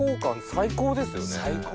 最高ですよ。